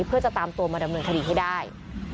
เพื่อจะตามตัวมาดำเนินคดีให้ได้